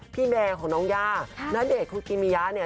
แม่ของน้องย่าณเดชนคุกิมิยะเนี่ย